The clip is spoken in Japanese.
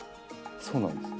そうなんです。